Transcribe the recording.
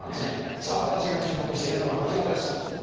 さあ私が注目しているのはこちらです。